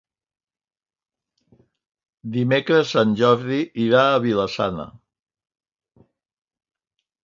Dimecres en Jordi irà a Vila-sana.